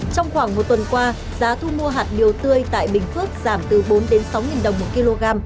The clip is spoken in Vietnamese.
trong khoảng một tuần qua giá thu mua hạt điều tươi tại bình phước giảm từ bốn sáu đồng một kg